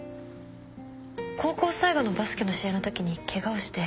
高校最後のバスケの試合のときにケガをして。